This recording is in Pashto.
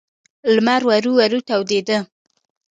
لمر ورو ورو تودېده.